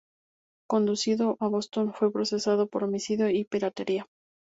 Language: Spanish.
Conducido a Boston, fue procesado por homicidio y piratería.